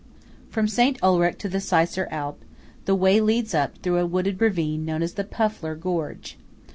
From St. Ulrich to the Seisser Alp, the way leads up through a wooded ravine known as the Pufler gorge.